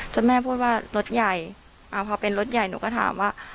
แม่พูดว่ารถใหญ่พอเป็นรถใหญ่หนูก็ถามว่า